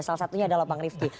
salah satunya adalah bang rifki